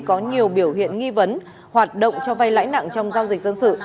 có nhiều biểu hiện nghi vấn hoạt động cho vay lãi nặng trong giao dịch dân sự